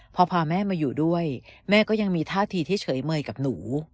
พอพาแม่มาอยู่ด้วยแม่ก็ยังมีท่าทีที่เฉยเมยกับหนู